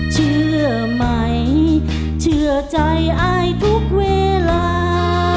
เชื่อไหมเชื่อใจอายทุกเวลา